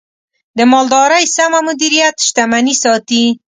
د مالدارۍ سمه مدیریت، شتمني ساتي.